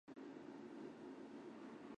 我会找专家来处理